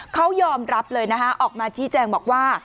เขายอมรับเลยนะคะออกมาชี้แจงบอกว่า